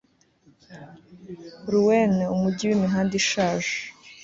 rouen, umujyi w'imihanda ishaje